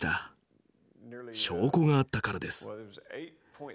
証拠があったからです。